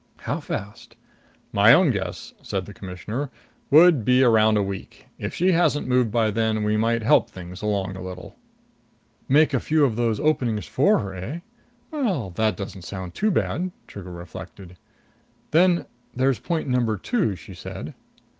"How fast?" "My own guess," said the Commissioner, "would be around a week. If she hasn't moved by then, we might help things along a little." "Make a few of those openings for her, eh? Well, that doesn't sound too bad." Trigger reflected. "Then there's Point Number Two," she said.